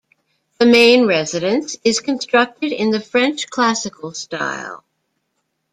The main residence is constructed in the French classical style.